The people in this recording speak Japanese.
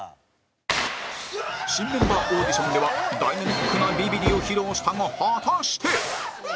新メンバーオーディションではダイナミックなビビリを披露したが果たして？